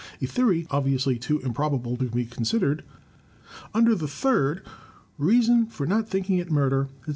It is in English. (A theory obviously too improbable to be considered.) Under the third: Reason for not thinking it murder, etc.